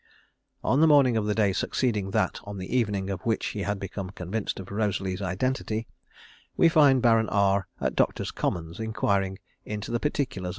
On the morning of the day succeeding that on the evening of which he had become convinced of Rosalie's identity, we find Baron R at Doctors' Commons inquiring into the particulars (II.